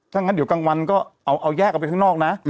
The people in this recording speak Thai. ถ้างั้นเดี๋ยวกลางวันก็เอาแยกออกไปข้างนอกนะ